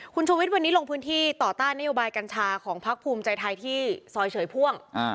คุณชูวิทย์วันนี้ลงพื้นที่ต่อต้านนโยบายกัญชาของพักภูมิใจไทยที่ซอยเฉยพ่วง